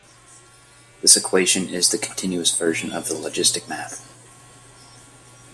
This equation is the continuous version of the logistic map.